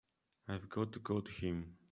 I've got to go to him.